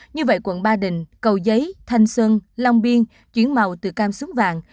như vậy quận ba đình cầu giấy thanh xuân long biên chuyển màu từ cam xuống vàng